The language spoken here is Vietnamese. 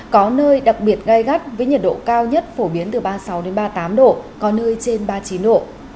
có nơi đặc biệt gai gắt với nhiệt độ cao nhất phổ biến từ ba mươi sáu ba mươi tám độ có nơi trên ba mươi chín độ